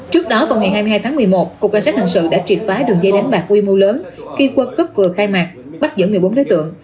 trước đó vào ngày hai mươi hai tháng một mươi một cục cảnh sát hình sự đã triệt phá đường dây đánh bạc quy mô lớn khi quân cướp vừa khai mạc bắt giữ một mươi bốn đối tượng